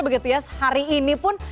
begitu ya hari ini pun